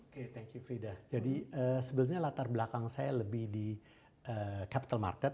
oke thank you frida jadi sebenarnya latar belakang saya lebih di capital market